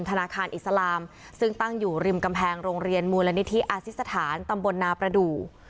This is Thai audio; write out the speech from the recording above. ธนาคารอิสลามซึ่งตั้งอยู่ริมกำแพงโรงเรียนมูลนิธิอาสิสถานตำบลนาประดูก